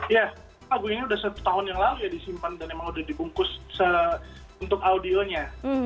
ya lagu ini udah satu tahun yang lalu ya disimpan dan emang udah dibungkus untuk audionya